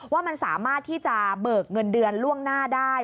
ว่ามันสามารถที่จะเบิกเงินเดือนล่วงหน้าได้